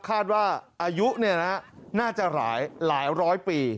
คาดว่าอายุน่าจะหลายร้อยปี